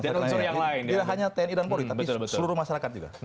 tidak hanya tni dan polri tapi seluruh masyarakat juga